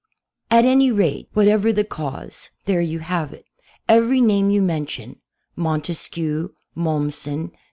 At any rate, whatever the cause, there you have it. Every name you mention — Montesquieu, Mommsen.